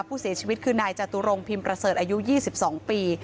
ผู้เสียชีวิตคือนายจตุรงพิมพ์ประเสริฐอายุ๒๒ปี